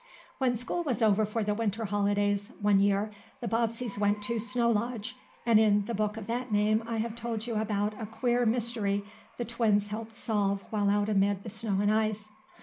When school was over for the winter holidays one year, the Bobbseys went to "Snow Lodge," and in the book of that name I have told you about a queer mystery the twins helped solve while out amid the snow and ice.